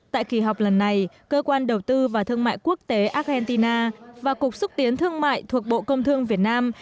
tại kỳ họp lần này cơ quan đầu tư và thương mại quốc tế argentina và cục xúc tiến thương mại thuộc bộ công thương việt nam